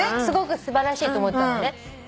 すごく素晴らしいと思ったのね。